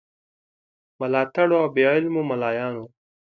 ملاتړو او بې علمو مُلایانو.